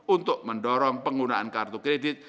untuk mendorong penggunaan kartu kredit